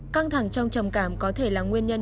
căng thẳng trong trầm cảm có thể là nguyên nhân